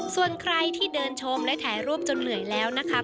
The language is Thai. ส่วนใครที่เดินชมและถ่ายรูปจนเหนื่อยแล้วนะคะ